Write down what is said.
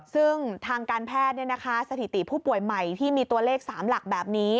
ซึ่งทางการแพทย์สถิติผู้ป่วยใหม่ที่มีตัวเลข๓หลักแบบนี้